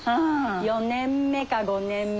４年目か５年目。